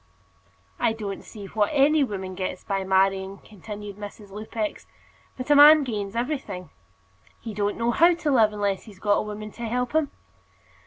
"I don't see what any woman gets by marrying," continued Mrs. Lupex. "But a man gains everything. He don't know how to live, unless he's got a woman to help him."